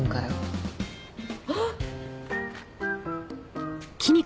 あっ。